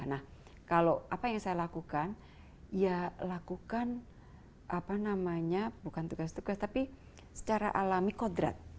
nah kalau apa yang saya lakukan ya lakukan apa namanya bukan tugas tugas tapi secara alami kodrat